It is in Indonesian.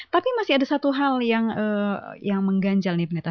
tapi masih ada satu hal yang mengganjal nih pemirsa